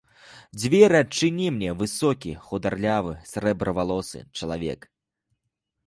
Дзверы адчыніў мне высокі хударлявы срэбравалосы чалавек.